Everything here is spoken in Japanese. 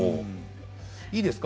いいですか？